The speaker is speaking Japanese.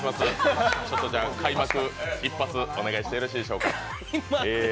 開幕一発、お願いしてよろしいでしょうか。